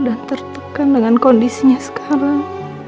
dan tertekan dengan kondisinya sekarang